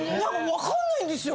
わかんないんですよ。